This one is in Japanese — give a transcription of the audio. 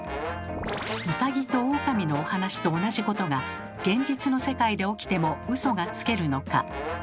ウサギとオオカミのお話と同じことが現実の世界で起きてもウソがつけるのか？